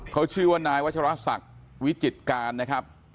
เขาชื่อว่านายวัชรศักดิ์วิจิตการนะครับ